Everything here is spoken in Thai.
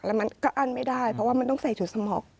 แล้วมันก็อั้นไม่ได้เพราะว่ามันต้องใส่ชุดสมอง